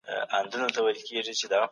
لا په شړپ بهيدې